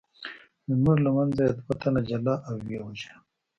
زموږ له منځه یې دوه تنه جلا او ویې وژل.